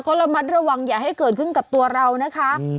ก็ระมัดระวังอย่าให้เกิดขึ้นกับตัวเรานะคะ